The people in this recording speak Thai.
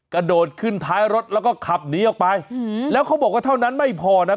กระโดดขึ้นท้ายรถแล้วก็ขับหนีออกไปแล้วเขาบอกว่าเท่านั้นไม่พอนะ